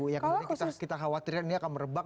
yang kita khawatirkan ini akan merebak